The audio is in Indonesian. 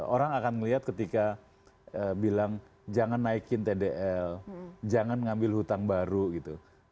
orang akan melihat ketika bilang jangan naikin tdl jangan ngambil hutang baru gitu